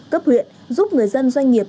cấp huyện giúp người dân doanh nghiệp